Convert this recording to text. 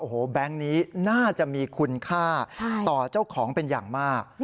โอ้โหแบงค์นี้น่าจะมีคุณค่าต่อเจ้าของเป็นอย่างมาก